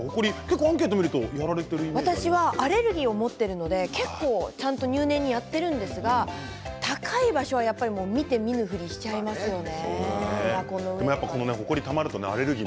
アンケートを見ると私はアレルギーを持っているので、結構入念にやってるんですが、高い場所は見て見ぬふりしちゃいますよね